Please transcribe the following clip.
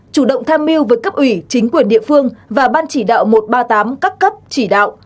chủ động tham mưu với cấp ủy chính quyền địa phương và ban chỉ đạo một trăm ba mươi tám các cấp chỉ đạo